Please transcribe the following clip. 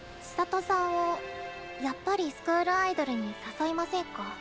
千砂都さんをやっぱりスクールアイドルに誘いませんか？